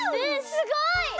すごい！